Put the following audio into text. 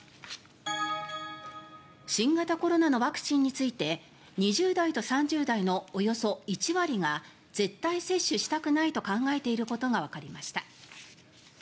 新型コロナのワクチンについて２０代と３０代のおよそ１割が絶対接種したくないと考えていることがわかりました。